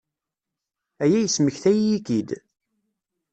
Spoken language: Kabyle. Aya yesmektay-iyi-k-id.